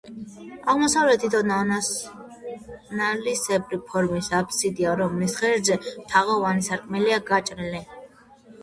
აღმოსავლეთით ოდნავ ნალისებრი ფორმის აბსიდია, რომლის ღერძზე, თაღოვანი სარკმელია გაჭრილი.